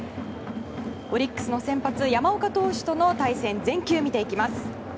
オリックスの先発山岡投手との対戦全球見ていきます。